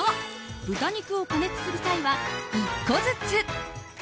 ５豚肉を加熱する際は１個ずつ。